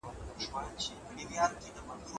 کېدای سي موسيقي خراب وي!